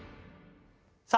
さあ